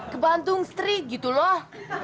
ke bandung street gitu loh